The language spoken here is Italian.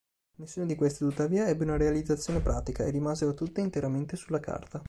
Nessuna di queste, tuttavia, ebbe una realizzazione pratica, e rimasero tutte interamente sulla carta.